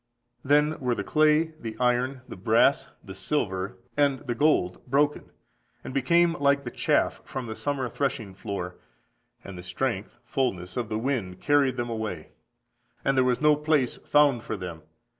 Then were the clay, the iron, the brass, the silver, (and) the gold broken, and became like the chaff from the summer threshing floor; and the strength (fulness) of the wind carried them away, and there was no place found for them.